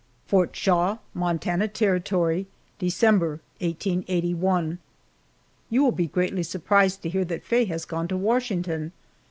FORT SHAW, MONTANA TERRITORY, December, 1881. YOU will be greatly surprised to hear that Faye has gone to Washington!